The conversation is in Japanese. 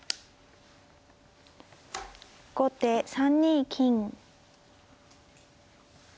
後手３二金。